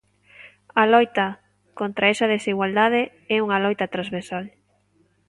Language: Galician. A loita contra esa desigualdade é unha loita transversal.